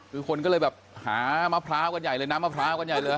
คือคนก็เลยแบบหามะพร้าวกันใหญ่เลยน้ำมะพร้าวกันใหญ่เลย